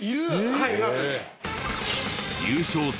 はいいます。